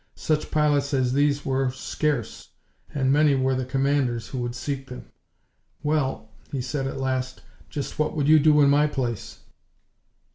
Such pilots as these were scarce, and many were the commanders who would seek them. "Well," he said at last, "just what would you do in my place?"